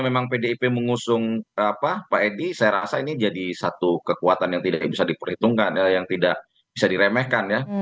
memang pdip mengusung pak edi saya rasa ini jadi satu kekuatan yang tidak bisa diperhitungkan yang tidak bisa diremehkan ya